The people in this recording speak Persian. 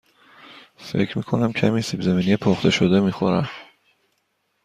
فکر می کنم کمی سیب زمینی پخته شده می خورم.